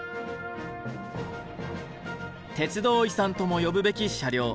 鉄道遺産とも呼ぶべき車両。